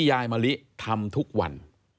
ยายมะลิทำทุกวัน